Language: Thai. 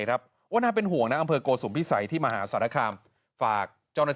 ครับว่าน่าเป็นห่วงนะอำเภอโกสุมพิสัยที่มหาสารคามฝากเจ้าหน้าที่